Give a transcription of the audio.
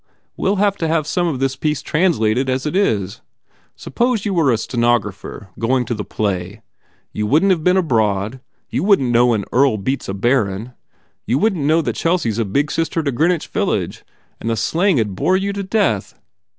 We ll have to have some of this piece translated as it is. Suppose you were a stenographer going to the play? You wouldn t have been abroad. You wouldn t know an Earl beats a Baron. You wouldn t know that Chelsea s a big sister to Greenwich village and the slang d bore you to death.